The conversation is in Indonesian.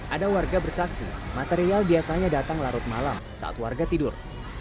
ada warga bersaksi material biasanya datang larut malam saat warga tidur